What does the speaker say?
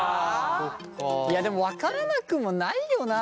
いやでも分からなくもないよな。